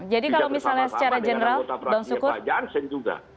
jadi kalau misalnya secara general pak jansen juga